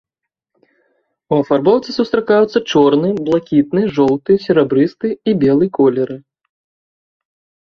У афарбоўцы сустракаюцца чорны, блакітны, жоўты, серабрысты і белы колеры.